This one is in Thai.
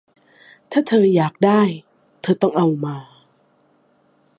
ถ้าเธออยากได้ เธอต้องเอามา